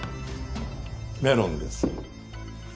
メロンです。